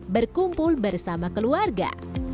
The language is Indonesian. berkumpul bersama keluarga